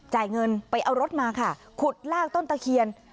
จ่ายเงินไปเอารถมาค่ะขุดลากต้นตะเคียน